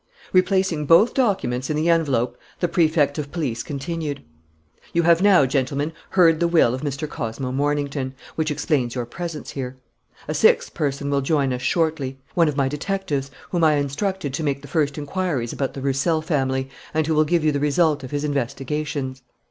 Replacing both documents in the envelope the Prefect of Police concluded: "You have now, gentlemen, heard the will of Mr. Cosmo Mornington, which explains your presence here. A sixth person will join us shortly: one of my detectives, whom I instructed to make the first inquiries about the Roussel family and who will give you the result of his investigations.